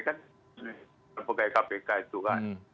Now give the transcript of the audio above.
dan pegawai kpk itu kan